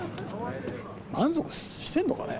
満足してんのかね。